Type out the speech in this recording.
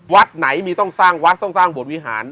วัดไหนมีต้องสร้างวัดต้องสร้างบทวิหาร